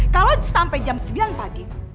kalau sampai jam sembilan pagi